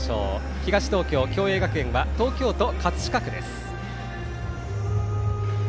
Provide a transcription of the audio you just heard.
東東京・共栄学園は東京都葛飾区です。